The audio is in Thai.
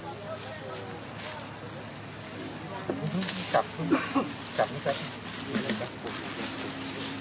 สวัสดีครับทุกคน